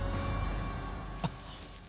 あっ。